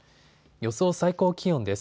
予想最高気温です。